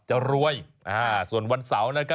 จะรวยส่วนวันเสาร์